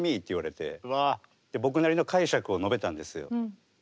僕なりの解釈を述べたんですよ。